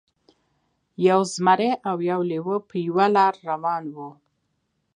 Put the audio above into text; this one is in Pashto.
یو زمری او یو لیوه په یوه لاره روان وو.